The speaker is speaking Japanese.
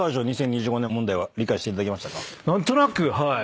何となくはい。